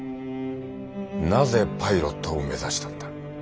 なぜパイロットを目指したんだ。